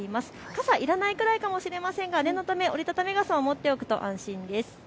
傘、いらないくらいかもしれませんが念のため折り畳み傘を持っておくと安心です。